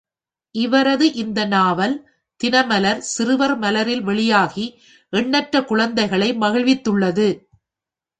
இவரது இந்த நாவல், தினமலர் சிறுவர் மலரில் வெளியாகி எண்ணற்ற குழந்தைகளை மகிழ்வித்துள்ளது.